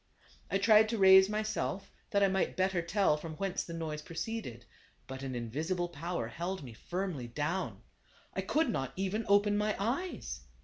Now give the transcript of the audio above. I tried to raise myself, that I might better tell from whence the noise proceeded. But an invisible power held me firmly down. I could not even open my eyes.